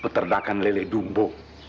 paternakan lele dumbo